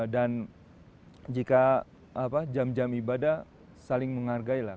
dan jika jam jam ibadah saling menghargai lah